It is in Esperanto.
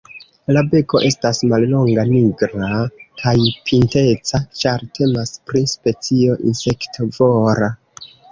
La beko estas mallonga, nigra kaj pinteca, ĉar temas pri specio insektovora.